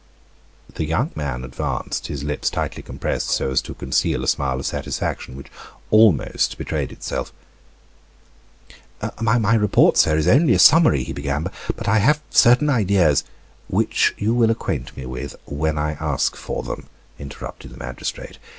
The young man advanced, his lips tightly compressed so as to conceal a smile of satisfaction which almost betrayed itself. "My report, sir, is only a summary," he began, "but I have certain ideas " "Which you will acquaint me with, when I ask for them," interrupted the magistrate.